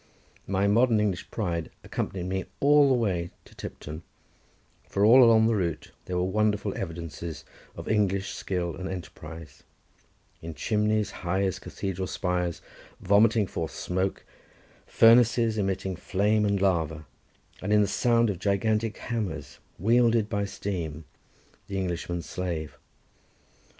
My modern English pride accompanied me all the way to Tipton; for all along the route there were wonderful evidences of English skill and enterprise; in chimneys high as cathedral spires, vomiting forth smoke, furnaces emitting flame and lava, and in the sound of gigantic hammers, wielded by steam, the Englishman's slave.